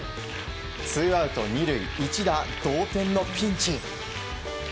ツーアウト２塁一打同点のピンチ。